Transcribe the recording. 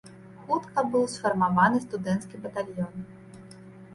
Хутка быў сфармаваны студэнцкі батальён.